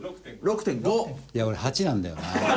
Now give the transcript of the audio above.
いや俺２８なんだよな。